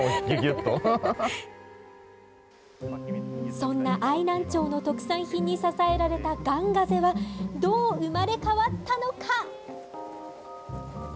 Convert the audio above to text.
そんな愛南町の特産品に支えられたガンガゼは、どう生まれ変わったのか。